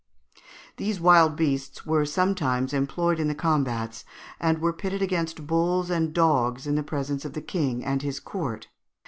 These wild beasts were sometimes employed in the combats, and were pitted against bulls and dogs in the presence of the King and his court.